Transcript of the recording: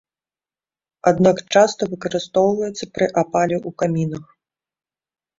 Аднак часта выкарыстоўваецца пры апале ў камінах.